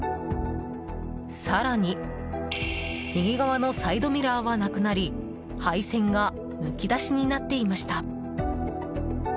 更に、右側のサイドミラーはなくなり配線がむき出しになっていました。